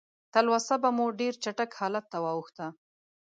تلوسه به مو ډېر چټک حالت ته واوښته.